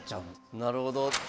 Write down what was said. なるほど。